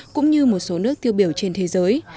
cũng như một số nước tiêu biểu trên thế giới